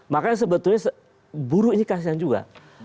makanya sebetulnya buruh ini kasian juga